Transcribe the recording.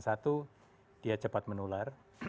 satu dia cepat menular